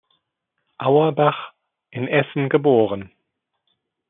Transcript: Auerbach, in Essen geboren.